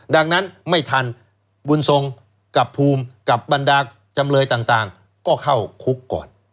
ดังนั้นไม่ทันบุญทรงกับภูมิกับบรรดาจำเลยต่างก็เข้าคุกก่อน